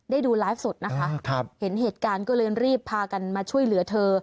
ดูไลฟ์สดนะคะเห็นเหตุการณ์ก็เลยรีบพากันมาช่วยเหลือเธอ